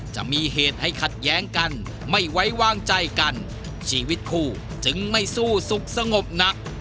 จะมีเหตุให้ขัดแย้งกันไม่ไว้วางใจกันชีวิตคู่จึงไม่สู้สุขสงบนัก